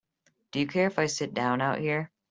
Do you care if I sit down out here?